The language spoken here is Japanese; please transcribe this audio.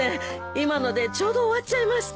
今のでちょうど終わっちゃいまして。